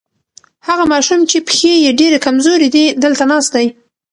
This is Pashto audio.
هغه ماشوم چې پښې یې ډېرې کمزورې دي دلته ناست دی.